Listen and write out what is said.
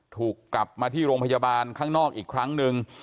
ถูกกลับมาที่โรงพยาบาลข้างนอกอีกครั้งหนึ่ง